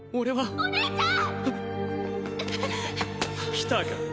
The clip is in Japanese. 来たか。